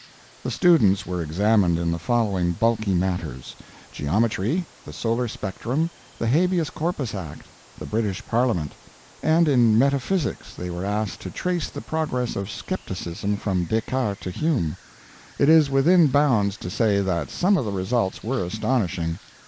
The students were examined in the following bulky matters: Geometry, the Solar Spectrum, the Habeas Corpus Act, the British Parliament, and in Metaphysics they were asked to trace the progress of skepticism from Descartes to Hume. It is within bounds to say that some of the results were astonishing.